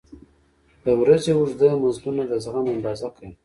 • د ورځې اوږده مزلونه د زغم اندازه کوي.